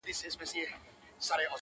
د جهاني دغه غزل دي له نامه ښکلې ده؛